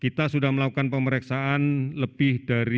kita sudah melakukan pemeriksaan lebih dari